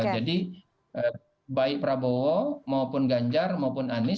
jadi baik prabowo maupun ganjar maupun anies